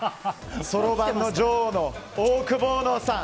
そろばんの女王のオオクボーノさん。